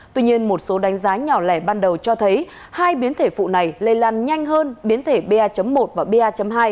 tuy nhiên một số đánh giá nhỏ lẻ ban đầu cho thấy hai biến thể phụ này lây lan nhanh hơn biến thể ba một và ba hai